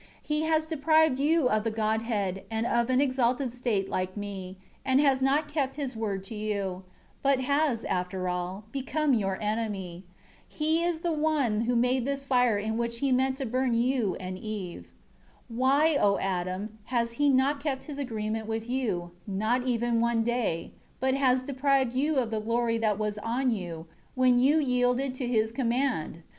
He has deprived you of the Godhead, and of an exalted state like Me, and has not kept his word to you; but has, after all, become your enemy. He is the one who made this fire in which he meant to burn you and Eve. 6 Why, O Adam, has he not kept his agreement with you, not even one day; but has deprived you of the glory that was on you when you yielded to his command?